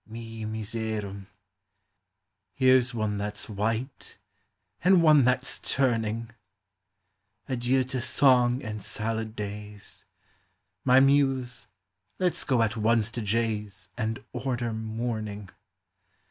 Me miserum. Here 's one that 's white, And one that 's turning ; Adieu to song and " salad days." My Muse, let 's go at once to Jay's And order mourning.